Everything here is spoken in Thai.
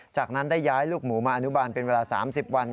จากนั้นได้ย้ายลูกหมูมาอนุบาลเป็นเวลา๓๐วัน